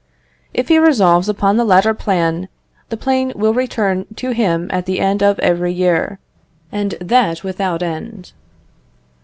If he resolves upon the latter plan, the plane will return to him at the end of every year, and that without end.